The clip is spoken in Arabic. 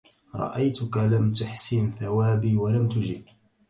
رأيتك لم تحسن ثوابي ولم تجب